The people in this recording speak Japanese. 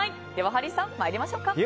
ハリーさん、参りましょうか。